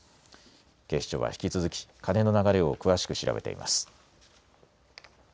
警視庁は引き続き金の流れを詳しく調べています。